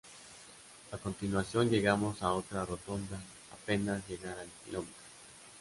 A continuación llegamos a otra rotonda, apenas llegar al Km.